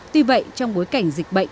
tuy vậy trong bối cảnh dịch bệnh